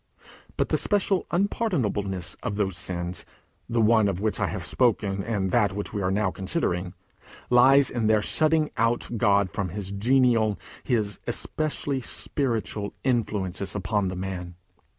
But the special unpardonableness of those sins, the one of which I have spoken and that which we are now considering, lies in their shutting out God from his genial, his especially spiritual, influences upon the man.